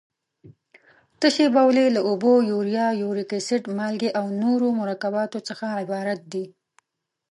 تشې بولې له اوبو، یوریا، یوریک اسید، مالګې او نورو مرکباتو څخه عبارت دي.